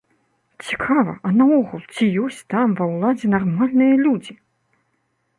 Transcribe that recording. Цікава, а наогул ці ёсць там, ва ўладзе, нармальныя людзі?